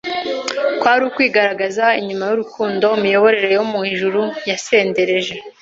Kwari ukwigaragaza inyuma k'urukundo imiyoboro yo mu ijuru yasendereje.